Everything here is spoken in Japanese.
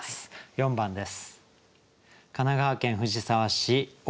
４番です。